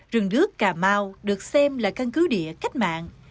rừng đước cà mau được xem là căn cứ địa cách mạng